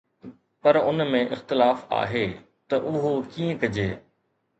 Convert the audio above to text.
پر ان ۾ اختلاف آهي ته اهو ڪيئن ڪجي